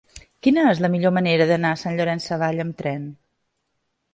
Quina és la millor manera d'anar a Sant Llorenç Savall amb tren?